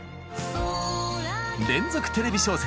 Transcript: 連続テレビ小説